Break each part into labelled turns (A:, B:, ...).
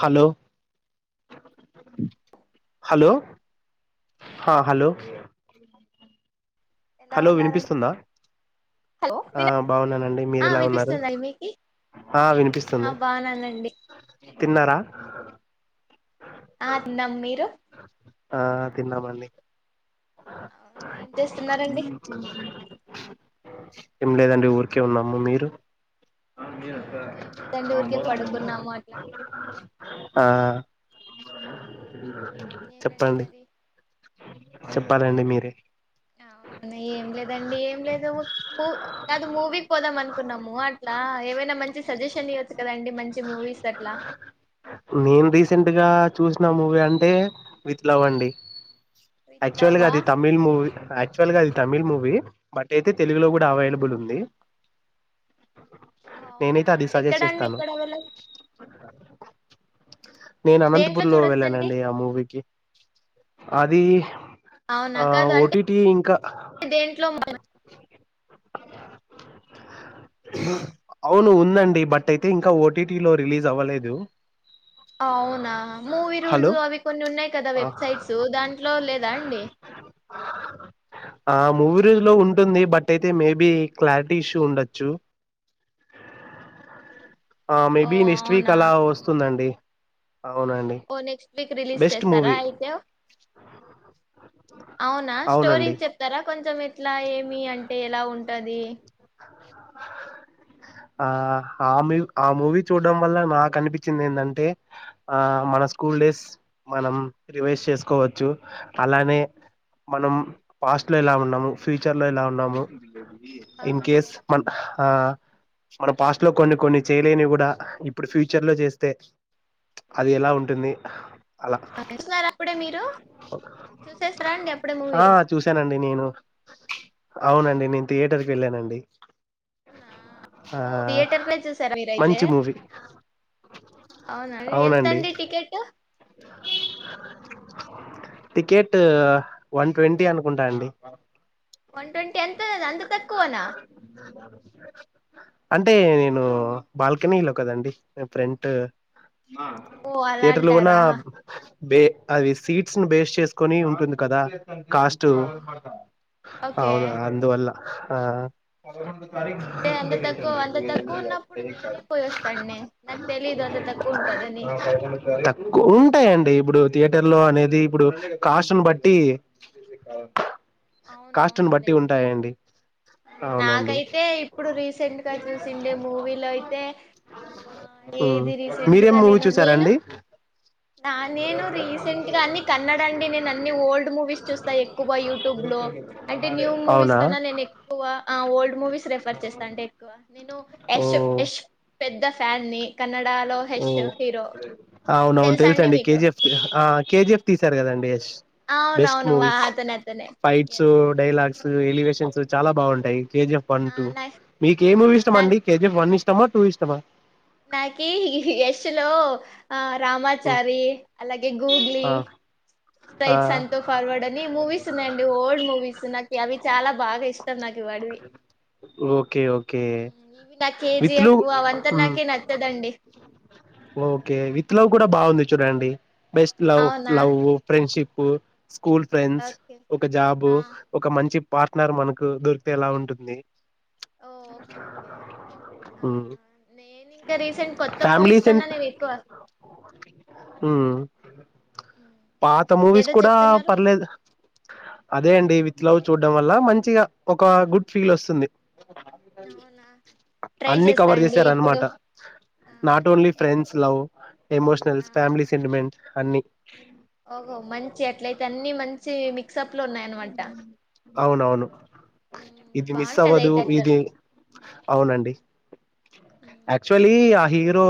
A: Hello hello హా hello
B: ఎలా
A: hello
B: ఉన్నారండి
A: వినిపిస్తుందా
B: హలో విన
A: బాగున్నానండి
B: ఆ
A: మీరు ఎలా ఉన్నారు
B: వినిపిస్తుందండి మీకి
A: ఆ
B: ఆ
A: వినిపిస్తుంది
B: బాగున్నానండి
A: తిన్నారా
B: ఆ తిన్నాం మీరు
A: ఆ తిన్నామండి
B: అవునా
A: అ
B: ఏం చేస్తున్నారండి
A: ఏం లేదండి ఊరికే ఉన్నాము మీరు
B: మేము ఏం లేదండి ఊరికే పడుకున్నాము అట్లా
A: ఆ
B: మ్, ఏంటండి
A: చెప్పండి
B: మరి
A: చెప్పాలండి మీరే
B: అవునా ఏం లేదండి ఏం లేదు మూ కాదు ఏం లేదండి ఏం లేదండి కాదు మూవీకి పోదాం అనుకున్నాము అట్లా ఏవైనా మంచి సజెషన్ ఇవ్వచ్చు కదండి మంచి మూవీస్ అట్లా
A: నేను రీసెంట్ గా చూసిన మూవీ అంటే విత్ లవ్ అండి యాక్చువల్ గా
B: విట్లావా
A: అది తమిళ్ మూవీ యాక్చువల్ గా తమిళ్ మూవీ బట్ అయితే తెలుగులో కూడా అవైలబుల్ ఉంది
B: అవునా
A: నేనైతే అది
B: ఎక్కడ
A: సజెస్ట్
B: అండి
A: చేస్తాను
B: ఎక్కడ వెళ్ళ
A: నేను
B: దేంట్లో
A: అనంతపూర్ లో
B: చూడొచ్చండి
A: వెళ్ళానండి ఆ మూవీకి అది
B: అవునా
A: ఆ
B: కాదు
A: ఓ
B: అంటే
A: టి టి ఇంకా
B: దేంట్లో
A: అవును ఉందండి బట్ అయితే ఇంకా ఓ టీ టీ లో రిలీజ్ అవ్వలేదు
B: అవునా మూవీ
A: హలో
B: రూల్స్ అవి కొన్ని ఉన్నాయి కదా
A: ఆ
B: వెబ్సైట్స్ దాంట్లో లేదా అండి
A: ఆ మూవీ రూజ్ లో ఉంటుంది బట్ అయితే మేబి క్లారిటీ ఇష్యూ ఉండొచ్చు ఆ
B: ఓ
A: మేబి నిస్ట్ వీక్
B: అవునా
A: అలా వస్తుందండి అవునండి
B: ఓ నెక్స్ట్ వీక్ రిలీజ్
A: బెస్ట్
B: చేస్తారా
A: మూవీ
B: అయితే అవునా స్టోరీ
A: అవునండి
B: చెప్తారా కొంచెమ్ ఎట్ ట్లా ఏమి అంటే ఎలా ఉంట టది
A: ఆ ఆ మూ ఆ మూవీ చూడ్డం వల్ల నాకు అనిపిచ్చింది ఎందంటే ఆ మన స్కూల్ డేస్ మనం రివైజ్ చేసుకోవచ్చు అలానే మనం పాస్ట్ లో ఎలా ఉన్నాము ఫ్యూచర్ లో ఇలా ఉన్నాము ఇన్
B: ఓకే
A: కేస్ మన ఆ మనం పాస్ట్ లో కొన్ని కొన్ని చేయలేనివి కూడా ఇప్పుడు ఫ్యూచర్ లో చేస్తే అది ఎలా ఉంటుంది అలా
B: చూసారా అప్పుడే మీరు చూసేస్తారా అండి అప్పుడే
A: ఆ
B: మూవీ
A: చూశానండి నేను అవునండి నేను థియేటర్ వెళ్ళానండి
B: అవునా
A: ఆ
B: ఓ థియేటర్ కు వెళ్ళి చూసారా మీరైతే
A: మంచి మూవీ
B: అవున ఎంత
A: అవునండి
B: అండి టికెటు
A: టికెట్ వన్ ట్వంటీ అనుకుంటా అండి
B: వన్ ట్వంట్ ట్ ఎంత అంత తక్కువనా
A: అంటే నేను బాల్కనీలో కాదండి నేను ప్ర్రెంట్ ఆ
B: ఓ అలా
A: థియేటర్లు కూడా
B: అంటారా
A: బే అది స్వీట్స్ ను బేస్ చేసుకొని ఉంటుంది కదా కాస్ట్
B: ఆ ఓకే
A: అవునా అందువల్ల ఆ
B: ఓ అయితే అంత తక్కువ అంత తక్కువ ఉన్నప్పుడు నేనే పోయొస్తాన్నే నాకు తెలీదు అంత తక్కువ ఉంటదని
A: తక్కువ ఉంటాయండి ఇప్పుడు థియేటర్ లో అనేది ఇప్పుడు కాస్ట్ను బట్టి
B: అవును
A: కాస్ట్ ను బట్టి
B: అవునులేండి
A: ఉంటాయండి
B: ఆ
A: అవునండి
B: నాకైతే ఇప్పుడు రీసెంట్ గా చూసిండే మూవీలో అయితే
A: మ్మ్
B: ఏది రీసెంట్
A: మీరేం
B: గా
A: మూవీ
B: నేను నేను
A: చూసారండి
B: నా నేను రీసెంట్ గా అన్ని కన్నడ అండి నేను అన్ని ఓల్డ్ మూవీస్ చూస్తా ఎక్కువ యూూబ్
A: అవునా
B: నేను ఎక్కువ ఆ ఓల్డ్ మూవీస్ మూవీస్ రెఫర్ చేస్తానండి ఎక్కువ
A: ఓ
B: యాష్ యాష్ పెద్ద ఫ్యాన్ ని కన్నడ
A: ఓ అవును అవును
B: తెలుసా
A: తెలుసు అండి
B: మీకు
A: కేజిఎఫ్ ఆ కేజిఎఫ్ తీసారు కదండీ యాష్ బెస్ట్
B: అవునవును ఆ
A: మూవీస్
B: అతనే అతనే
A: ఫైట్స్ యూ
B: ఎస్
A: డైలాగ్స్ ఎలివేషన్స్ యూ చాలా బాగుంటాయి కేజిఎఫ్ వన్
B: ఆ
A: టూ
B: నా
A: మీకు ఏ
B: ఆ,
A: మూవీ ఇష్టం
B: నా
A: మండి కేజిఎఫ్ వన్ ఇష్ తమ టూ ఇష్టమా
B: నాకి యాష్ లో ఆ
A: ఉమ్,
B: రామాచారి అలాగే గుగ్లీ
A: ఆ ఆ
B: రైట్ సంతో ఫార్వర్డ్ అని మూవీస్ ఉన్నాయండి ఓల్డ్ మూవీ మూవీస్ నాకి అవి చాలా బాగా ఇష్టం నాకి
A: ఓకే ఓకే
B: ఉమ్, ఇవి నా
A: విత్లు
B: కేజీఎఫ్ అవంతా
A: ఉ
B: నాకే నచ్చదండి
A: ఓకే విత్ లవ్ కూడా బాగుంది చు రండి బెస్ట్ లవ్
B: అవునా
A: లవ్ ఉ ఫ్రెండ్షిప్ పో స్కూల్ ఫ్రెండ్స్
B: ఓకే
A: ఒక జాబు
B: ఆ
A: ఒక మంచి పార్టనర్ మనకు దోర్ ఎలా ఉంటుంది
B: ఓ ఓకే ఓకే ఆ నేను ఇంకా రీసెంట్ కొత్త మూవీస్
A: ఫ్యామిలీస్ అండ్
B: కన్నా నే ఎక్కువ
A: అ
B: ఉమ్,
A: పాత మూవీస్
B: ఏదో
A: కూడా
B: చెప్తున్నారు
A: పర్లేదు అదే అండి డే విత్ లవ్ చూడడం వల్ల మంచిగా ఒక గుడ్ ఫీల్ వస్తుంది
B: అవునా ట్రై
A: అన్ని
B: చేస్తా
A: కవర్
B: అండి
A: చేశారు
B: ఇప్పుడు
A: అన్నమాట
B: ఆ
A: నాట్ ఓన్లీ
B: ఎప్
A: ఫ్రెండ్స్ లవ్
B: ఆ
A: ఎమోషనల్స్ ఫ్యామిలీ సెంటిమెంట్ అన్ని
B: ఓహో మంచి అట్లయితే అన్ని మన్ చే మిక్స్ అప్
A: అవును అవును ఇది మిస్
B: బాగుంటది
A: అవ్వదు
B: అయితే అట్లా
A: ఇది అవును అండి యాక్చువలీ దో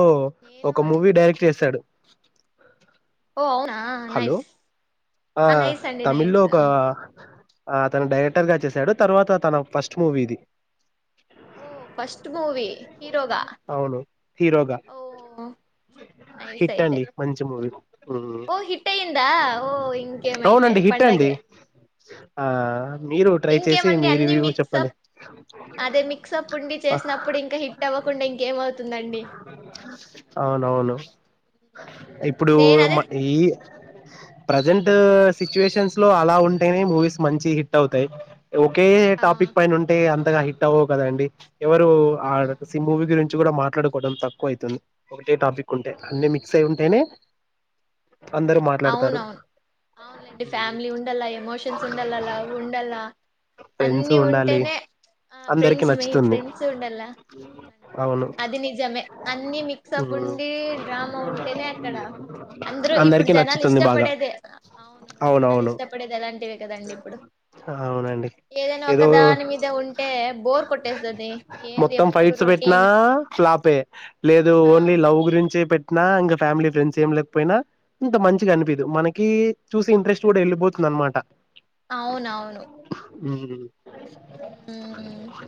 B: నేను
A: ఒక
B: అది
A: మూవీ డైరెక్ట్ చేశాడు
B: ఓ అవునా
A: హలో
B: నైస్
A: ఆ
B: నైస్ అండి
A: తమిళ్ లో
B: నైస్
A: ఒక ఆ తను డైరెక్టర్ గా చేశాడు తర్వాత తన ఫస్ట్ మూవీ ఇది
B: ఓ ఫస్ట్ మూవి హీరోగా
A: అవును హీరోగా
B: ఓ నైస్
A: హిట్
B: అయితే
A: అండి మంచి మూవీ హ్మ్.
B: ఓ హిట్ అయందా ఓ ఇంకేమైతే
A: అవునండి. హిట్
B: పండగ
A: అండి. ఆ! మీరు ట్రై చేసి
B: ఇంకేమండి
A: మీ
B: అన్ని
A: రివ్యూ చెప్పండి.
B: మిక్సప్ అదే మిక్సప్ ఉండి చేసినప్పుడు ఇంకా హిట్ అవ్వక
A: అవును అవును అ ఇప్పుడు
B: నేను అదే
A: మ ఈ ప్రజెంట్ సిచ్యుయేషన్స్ లో అలా ఉంటేనే మూవీస్ మంచి హిట్ అవుతాయి ఒకే
B: ఆ
A: టాపిక్ పైన ఉంటే అ హిట్ అవవు కదండి ఎవరు సింభూవి గురించి కూడా మాట్లాడుకోవడం తక్కువ అవుతుంది ఒకటే టాపిక్ ఉంటే అన్ని మిక్స్ అయి ఉంటేనే అందరూ
B: అవున
A: మాట్లాడతారు
B: అవును అవునండి ఫ్యామిలీ ఉండాల ఎమోషన్స్ ఉండాల లవ్ ఉండాల
A: ఫ్రెండ్స్
B: అన్ని
A: ఉండాలి
B: ఉంటేనే ఆ
A: అందరికి
B: ఫ్రెండ్స్ మెన్
A: నచ్చుతుంది
B: ఫ్రెండ్స్ ఉండాల అవునండి
A: అవును
B: అది నిజమే అన్ని మిక్స్ అప్
A: మ్
B: ఉండి డ్రామా ఉంటేనే అక్కడ అందరు ఇప్పుడు
A: అందరికి
B: జనాలు
A: నచ్చుతుంది బాగా
B: ఇష్టపడేది అవును మరి జనాలు
A: అవునవును
B: ఇష్టపడేది ఎలాంటివే కదండి ఇప్పుడు
A: అవునండి
B: ఏదైనా ఒక
A: ఏదో
B: దాని మీద ఉంటే బోర్ కొట్టేస్తుది ఏంది ఎప్పుడు
A: పైట్స్ పెట్టినా
B: రొటీన్
A: ఫ్లాపే లేదు
B: ఆ
A: ఓన్లీ లవ్ గురించి పెట్నా ఇంకా ఫ్యామిలీ ఫ్రెండ్స్ ఏం లేకపోయినా ఇంత మంచిగా అనిపిదు మనకి చూసి ఇంట్రెస్ట్ కూడా ఏళ్ళిపోతుంది అనమాట
B: అవునవును
A: ఉ
B: ఉ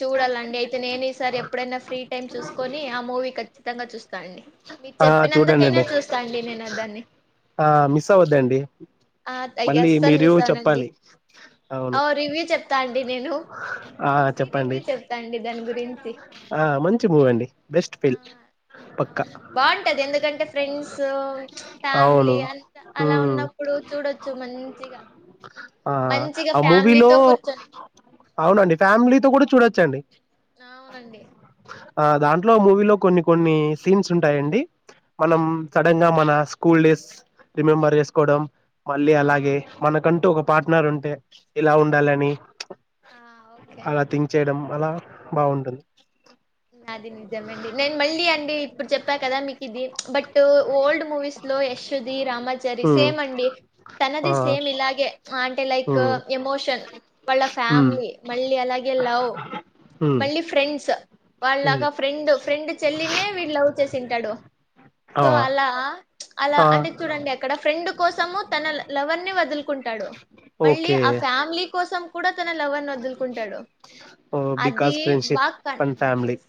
B: చూడాలండి అయితే యితే నేను ఈసారి ఎప్పుడైనా ఫ్రీ టైమ్ చూసుకొని ఆ మూవీకిచ్చ గా చూ డి మీకు
A: ఆ చూడండి
B: చెప్పినందుకైనా
A: అండి
B: చూస్తా అండి నేను దాన్ని
A: ఆ మిస్ అవద్దండి
B: ఆ అయ్య
A: మళ్ళీ
B: అస్సలు
A: మీరు
B: మిస్ అవనండి
A: చెప్పాలి అవును
B: ఆ రివ్యూ చెప్తా అండి నేను
A: ఆ
B: చూసి
A: చెప్పండి
B: రివ్యూ చెప్తా అండి దాని గురించి
A: ఆ మంచి మూవ్ అండి బెస్ట్ ఫీల్
B: బాగుంటుది ఎందుకంటే ఫ్రెండ్స్ ఫ్యామిలీ
A: అవును
B: అంత అలా ఉన్న
A: ఉమ్,
B: ఇప్పుడు చూడొచ్చు మంచిగా
A: ఆ
B: మంచిగా
A: ఆ మూవీలో
B: ఫ్యామిలీతో కూర్చొని
A: అవునండి ఫ్యామిలీతో కూడా చూడచ్చు వచ్చండి
B: అవునండి
A: ఆ దాంట్లో మూవీలో కొన్ని కొన్ని సీన్స్ ఉంటాయండి మనం సడన్ గా మన స్కూల్ డేస్ రిమెంబర్ చేసుకోవడం మళ్ళీ
B: ఆ
A: అలాగే మనకు కంటూ ఒక పార్ట్నర్ ఉంటే ఇలా ఉండాలని
B: ఆ ఓకే
A: అలా థింక్ చేయడం అల బాగుంటుంది
B: నాది నిజమ అండి నేన్ మళ్ళీ అండి ఇప్పుడు చెప్ ప్ప కదా మీకు ఇది బట్ ఓల్డ్ మూవీస్ లో యశోది రామాచారి
A: హ్మ్.
B: సేమ్ అండి
A: ఆ!
B: తనది సేమ్ ఇలాగే అం అంటే లైక్
A: హ్మ్.
B: ఎమోషన్ వాళ్ళ
A: హ్మ్.
B: ఫ్యామిలీ మళ్ళీ అలా ఎ లవ్
A: హ్మ్.
B: మళ్ళీ ఫ్రెండ్స్ వాళ్ళ
A: హ్మ్.
B: లాగా ఫ్రెండ్ ఫ్రెండ్ చెల్లినే వీడు లవ్ చేసింటాడు
A: ఆ!
B: సో అలా అలా
A: ఆ!
B: అంటే చూడండి అక్కడ ఫ్రెండ్ కోసము తన లవర్ ని వదులుకుంటాడు మళ్ళీ
A: ఓకే.
B: ఆ ఫ్యామిలీ కోసం కూడా తన లవర్ ని వదులుకుంటాడు
A: ఓహ్! బికాస్
B: అది
A: ఫ్రెండ్‌షిప్
B: బాగా క
A: అండ్ ఫ్యామిలీ.
B: ఎస్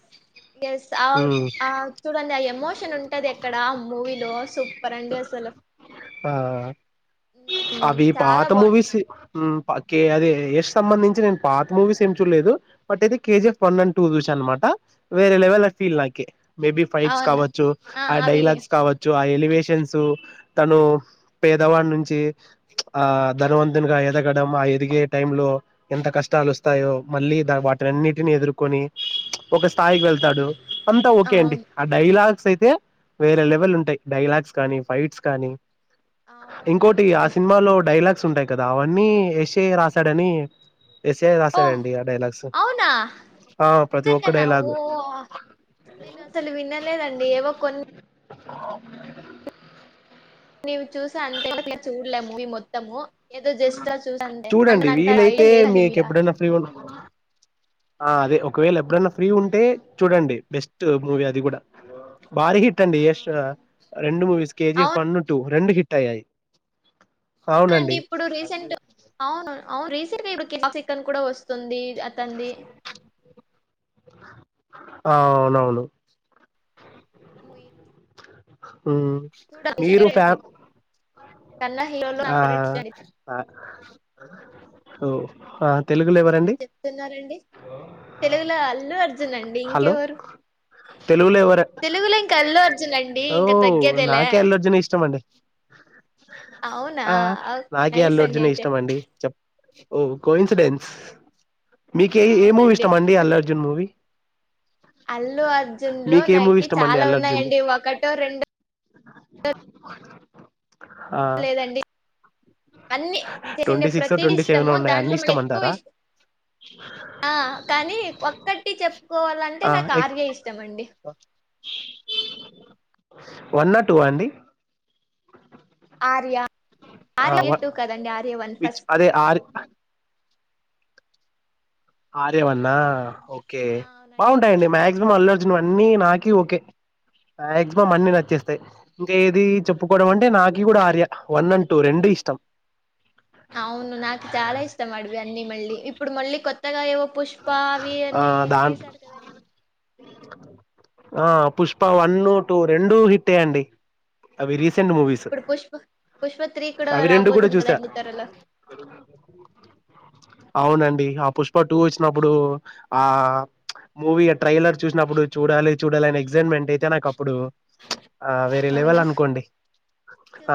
B: ఎస్ ఆవ్
A: హ్మ్.
B: ఆవ్ చుడండి ఐ ఎమోషన్ ఉంటది ఎక్కడ మూవీలో సూ పరండీ అసలు
A: ఆ
B: మ్మ్
A: అవి
B: చాలా
A: పాత
B: బాగుంది
A: మూవిస్ హ్మ్ ప కె అదే యస్ సంబంధించి నేను పాత మూవీస్ ఏం చూడలేదు బట్ ఇది కేజి ఎఫ్ వన్ అం టు చూసా అనమాట వేరే level I feel like a maybe fights
B: అవును
A: కావచ్చు ఆ డైలాగ్స్ కావచ్చు ఆ ఎలి పేషెన్స్ ఉ తను పేదవాడి నుంచి ఆ ధనవంతునిగా ఎదగడం ఆ ఎదిగే టైం లో ఎంత కష్టాలు వస్తాయో మళ్ళీ ద వాటిని అన్నిటిని ఎదుర్కొని ఒక స్థాయికి వెళ్తాడు అంతా ఓకే అండి
B: అవును
A: ఆ డైలాగ్ [unintelligible] అయితే వేరే లెవెల్ ఉంటాయి డైలాగ్స్ కానీ ఫైట్స్ కానీ
B: అవును అవును
A: లో డైలాగ్స్ ఉంటాయి కదా అవన్నీ ఎష్ ఎ రాసాడని
B: ఓ అవునా
A: ఆ ప్రతి ఒక్క
B: నిజంగానా
A: డైలాగ్
B: ఓ నేను అసలు వినలేదండి ఏవో కొన్ నీవ్వు చూసా అంతే [unintelligible] చూడలేము మొత్తము ఏదో జస్ట్ చూస అంతే
A: చూడండి
B: [unintelligible] అంత ఐడియా
A: వీలైతే
B: లేద
A: మీకు
B: నీమీద
A: ఎప్పుడైనా ఫ్రీ ఉ ఆ అదే ఒకవేళ ఎప్పుడన్న ఫ్రీ ఉంటే చూడండి బెస్ట్ టు మూవి అది కూడా భారీ హిట్ అండి
B: ఆ
A: యష్
B: అవును
A: రెండు మూవీస్ కే జీ ఫ్ వన్ టూ రెండు హిట్ అయ్యాయి అవునండి
B: అవు రీసెంట్ గ ఇప్పుడు [unintelligible] సిక్ అని కూడా వస్తుంది అతనిది
A: అవునవును
B: ఉయ్
A: ఊ మీరు ఫ్యామ్
B: కన్నా హీరోలో నా
A: ఆ
B: ఫేవరెట్ అండి
A: ఆ ఓ ఫాన్
B: ఏదో చెప్తున్నారండి తెలుగులో అల్లు అర్జున్ అండి
A: హలో
B: ఇంకెవరు
A: తెలుగులో ఎవర
B: తెలుగులో ఇంక అల్లు అర్జున్ అండి
A: ఓ
B: ఇంక తగ్గేదే లా
A: నాకే అల్లు అర్జున్ ఇష్టం అండి ఆ నాకీ అల్లుఅర్జున్ ఏ ఇష్టం అండి చెప్ ఓ కో
B: ఆ,
A: ఇన్సిడెన్స్ మీకేయి ఏ మూవీ
B: అవునండి
A: ఇష్టాం అండి అల్లుఅర్జున్ మూవీ
B: అల్లు అర్జున్ లో
A: మీకే మూవీ
B: నాకి
A: ఇష్టం అండి
B: చాలా
A: అల్లు అర్జున్ది
B: ఉన్నాయండి ఒకటో రెండో
A: ఆ
B: లేదండి అన్నీ చేసిండే
A: ట్వంటీ సిక్స్
B: ప్రతిదీ
A: ట్వంటీ సెవెన్
B: ఇష్టము
A: ఉన్నాయి అన్ని
B: దాంట్లో మళ్ళ
A: ఇష్టం
B: ఎక్కువ
A: అంటారా
B: ఇష్ ఆ కానీ ఒక్కటి చెప్పుకోవాలంటే
A: ఆ
B: నాకు
A: ఎక్
B: ఆర్య ఇష్టం అండి
A: వన్ ఆ టూ అ అండి
B: ఆర్య
A: ఆ
B: ఆర్య
A: వా
B: టూ కదండి ఆర్య వన్
A: వి
B: ఫస్ట్
A: అదే ఆరు ఆర్యవన్నా కే
B: ఆ, అవునండి
A: బాగుంటాయండి మ్యాగ్ మల్లార్జున అన్నీ నాకు ఓకే మగ్జమమ్
B: ఆ
A: అన్ని నచ్చేస్తాయి ఇంక ఏది చెప్పుకోవడం అంటే నాకి కూడా ఆర్య వన్ అండ్ టూ రెండు ఇష్టం
B: అవును నాకు చాలా ఇష్టమవి అన్ని మళ్ళీ ఇప్పుడు మళ్ళీ కొత్తగా ఏవో పుష్ప అవి
A: ఆ
B: అన్నీ
A: దాంట్
B: తీసాడు కదండి
A: ఆ పుష్ప వన్ను టూ రెండు హిట్ ఎ అండి అవి రీసెంట్
B: అవునండి
A: మూవీస్
B: ఇప్పుడు పుష్ప పుష్పత్రి కూడా
A: అవి రెండు కూడా
B: రాబోతుంది
A: చూసా
B: కదండిీ త్వరలో
A: అవునండి ఆ పుష్ప టూ వచ్చినప్పుడు ఆ మూవీ ట్రైలర్ చూసినప్పుడు చూడాలి చూడాలి అని ఎక్సైట్మెంట్ అయితే నాకప్పుడు ఆ వేరే లెవెల్
B: అవునా
A: అనుకోండి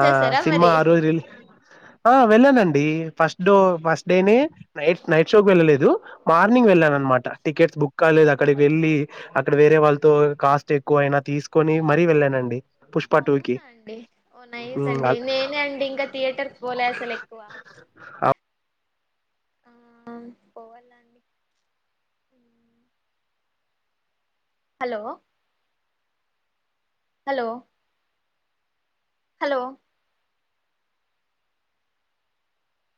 A: ఆ సినిమా
B: మరి
A: ఆ రోజు రిలీ ఆ వెళ్ళానండి ఫస్ట్ డో ఫస్ట్ డేనే నైట్ నైట్ షోకి వెళ్ళలేదు మార్నింగ్ వెళ్ళననమాట టికెట్స్ బుక్ కాలేదు అక్కడికి వెళ్ళి అక్కడ వేరే వాళ్ళతో కాస్ట్ ఎక్కువ అయినా తీసుకొని మరీ వెళ్ళానండి పుష్ప టూ కి
B: అవునా అండి ఓ నయిస్ అండి నేనే అండి ఇంకా థియేటర్ పోలే అసలు ఎక్కువ ఆ పోవాలా అండి హలో హలో హలో